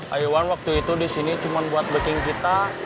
ayuan waktu itu disini cuma buat backing kita